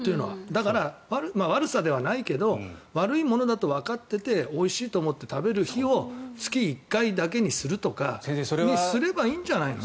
だから、悪さではないけど悪いものだとわかっていておいしいと思って食べる日を月１回だけにするとかすればいいんじゃないの？